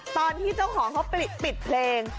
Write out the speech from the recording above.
ตอนที่เจ้าของเขาปิดเพลง